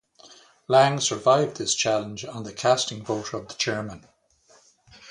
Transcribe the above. Lang survived this challenge on the casting vote of the Chairman.